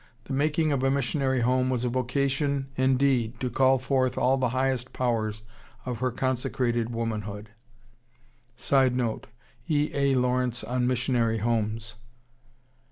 The making of a missionary home was a vocation indeed to call forth all the highest powers of her consecrated womanhood. [Sidenote: E. A. Lawrence on missionary homes.